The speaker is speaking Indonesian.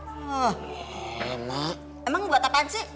oh emang buat apaan sih